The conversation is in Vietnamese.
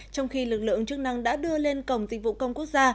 trong khi lực lượng chức năng đã đưa lên cổng dịch vụ công quốc gia